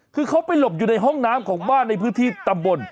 คือเขาไปหลบอยู่ในห้องน้ำของบ้านในพื้นที่ตำบล